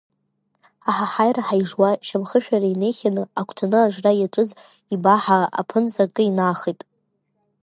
Аҳаҳаираҳәа ижуа шьамхышәара инеихьаны, агәҭаны ажра иаҿыз ибаҳа аԥынҵа акы инаахеит.